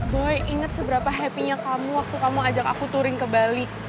boy inget seberapa happy nya kamu waktu kamu ajak aku touring ke bali